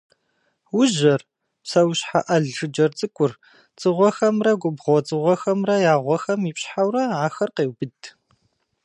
Ужьэр, псэущхьэ ӏэл жыджэр цӏыкӏур, дзыгъуэхэмрэ губгъуэ дзыгъуэхэмрэ я гъуэхэм ипщхьэурэ ахэр къеубыд.